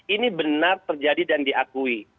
ini benar terjadi dan diakui